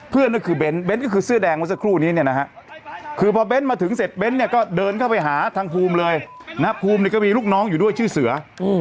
นั่นก็คือเบ้นเน้นก็คือเสื้อแดงเมื่อสักครู่นี้เนี่ยนะฮะคือพอเบ้นมาถึงเสร็จเบ้นเนี่ยก็เดินเข้าไปหาทางภูมิเลยนะภูมิเนี่ยก็มีลูกน้องอยู่ด้วยชื่อเสือ